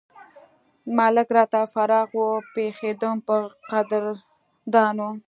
ملک راته فراخ وو پېښېدم پۀ قدردانو